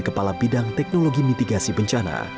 kepala bidang teknologi mitigasi bencana